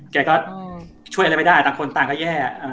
แกก็ช่วยอะไรไม่ได้ต่างคนต่างก็แย่